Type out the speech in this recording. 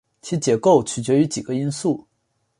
其结构取决于几个因素。